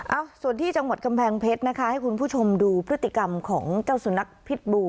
เอ้าส่วนที่จังหวัดกำแพงเพชรนะคะให้คุณผู้ชมดูพฤติกรรมของเจ้าสุนัขพิษบู